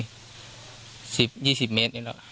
วันหน่นพี่ใช้โทรศัพท์โทรหาใครไหม